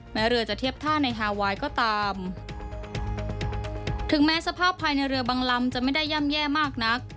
แม้เรือจะเทียบท่าในฮาไวน์ก็ตามถึงแม้สภาพภายในเรือบางลำจะไม่ได้ย่ำแย่มากนัก